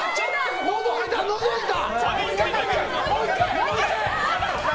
のぞいた、のぞいた。